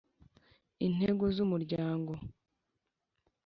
intego z Umuryango